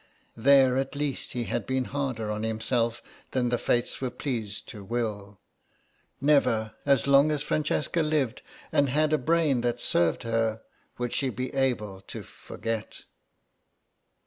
There at least he had been harder on himself than the Fates were pleased to will; never, as long as Francesca lived and had a brain that served her, would she be able to forget.